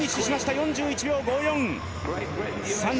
４１秒５４。